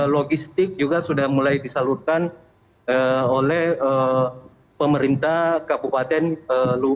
logistik juga sudah mulai disalurkan oleh pemerintah kabupaten lumaja